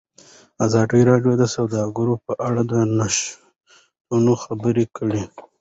ازادي راډیو د سوداګري په اړه د نوښتونو خبر ورکړی.